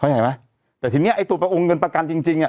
เห็นไหมแต่ทีเนี้ยไอ้ตัวประองค์เงินประกันจริงจริงอ่ะ